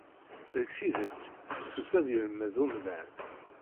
Deg tidet, fessus ad yelmed umdan.